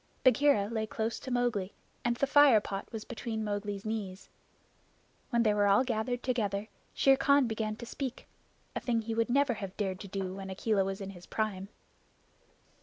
Bagheera lay close to Mowgli, and the fire pot was between Mowgli's knees. When they were all gathered together, Shere Khan began to speak a thing he would never have dared to do when Akela was in his prime.